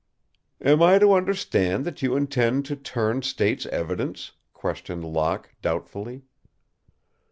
"Am I to understand that you intend to turn state's evidence?" questioned Locke, doubtfully.